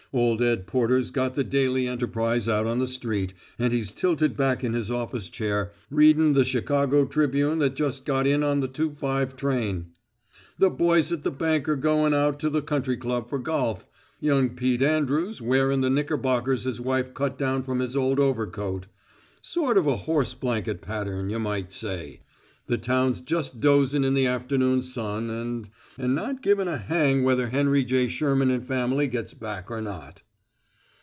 Old Ed Porter's got the Daily Enterprise out on the street, and he's tilted back in his office chair, readin' the Chicago Tribune that's just got in on the two five train. The boys at the bank are goin' out to the country club for golf young Pete Andrews wearin' the knickerbockers his wife cut down from his old overcoat; sort of a horse blanket pattern, you might say. The town's just dozin' in the afternoon sun and and not givin' a hang whether Henry J. Sherman and family gets back or not."